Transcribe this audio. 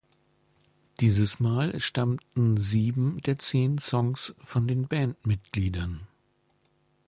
Dieses Mal stammten sieben der zehn Songs von den Bandmitgliedern.